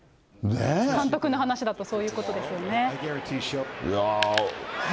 監督の話だとそういうことでいやー。